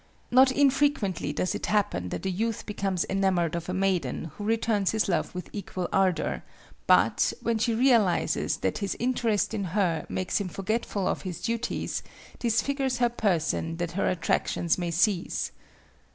Not infrequently does it happen that a youth becomes enamored of a maiden who returns his love with equal ardor, but, when she realizes his interest in her makes him forgetful of his duties, disfigures her person that her attractions may cease.